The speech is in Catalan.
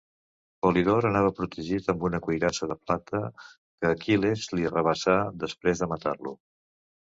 Polidor anava protegit amb una cuirassa de plata que Aquil·les li arrabassà després de matar-lo.